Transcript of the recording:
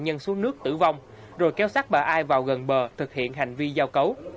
nhân xuống nước tử vong rồi kéo sát bà ai vào gần bờ thực hiện hành vi giao cấu